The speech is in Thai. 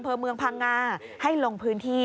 เมืองพังงาให้ลงพื้นที่